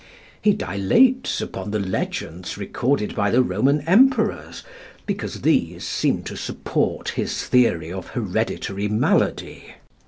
He dilates upon the legends recorded by the Roman Emperors, because these seem to support his theory of hereditary malady.